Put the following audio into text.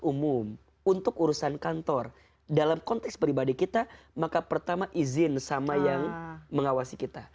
umum untuk urusan kantor dalam konteks pribadi kita maka pertama izin sama yang mengawasi kita